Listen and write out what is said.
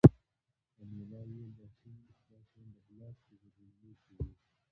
انیلا وویل دا شیان د بلاک په زیرزمینۍ کې وو